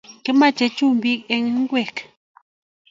Kimache chumbik en igwek